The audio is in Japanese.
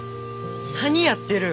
何やってる！